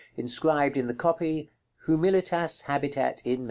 Inscribed in the copy, "HUMILITAS HABITAT IN ME."